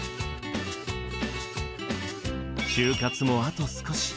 就活もあと少し。